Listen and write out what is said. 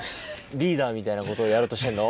リーダーみたいなことをやろうとしてんの？